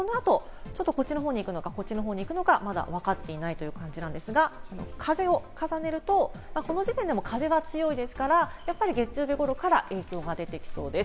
こちらに行くか、こちらに行くのか、まだわかっていないという感じなんですが、風を重ねると、この時点で風が強いですから、月曜日頃から影響が出てきそうです。